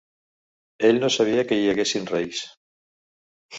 Ell no sabia que hi haguessin reis